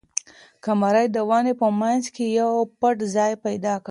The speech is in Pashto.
قمرۍ د ونې په منځ کې یو پټ ځای پیدا کړ.